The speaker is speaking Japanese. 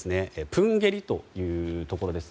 プンゲリというところです。